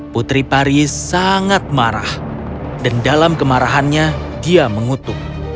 putri paris sangat marah dan dalam kemarahannya dia mengutuk